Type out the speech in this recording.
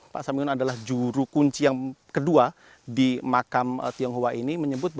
pak samuyun adalah juru kunci yang kedua di makam tionghoa ini